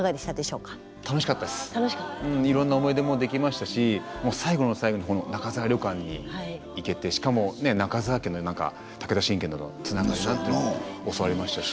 うんいろんな思い出もできましたしもう最後の最後にこのなかざわ旅館に行けてしかもねえなかざわ家の何か武田信玄とのつながりなんていうのも教わりましたし